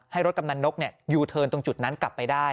รถกำนันนกยูเทิร์นตรงจุดนั้นกลับไปได้